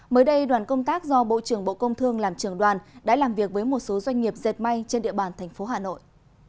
mới đây đoàn công tác do bộ trưởng bộ công thương làm trường đoàn đã làm việc với một số doanh nghiệp dệt may trên địa bàn thành phố hà nội